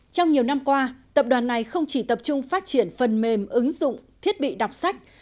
trong nhiều năm qua tập đoàn này không chỉ tập trung phát triển phần mềm ứng dụng thiết bị đọc sách